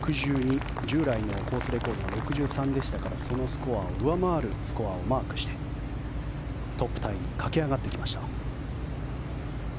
従来のコースレコードが６３でしたからそのスコアを上回るスコアをマークしてトップタイに駆け上がってきました。